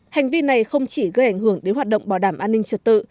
hành vi này không chỉ gây ảnh hưởng đến hoạt động bảo đảm an ninh trật tự